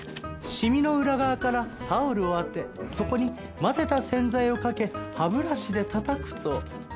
染みの裏側からタオルを当てそこに混ぜた洗剤をかけ歯ブラシでたたくと。